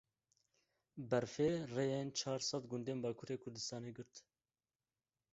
Berfê rêyên çar sed gundên Bakurê Kurdistan girt.